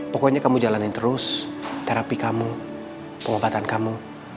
pokoknya kamu jalanin terus terapi kamu pengobatan kamu